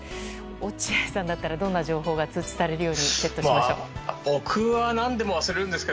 落合さんだったらどんな情報が通知されるようにセットしたいですか？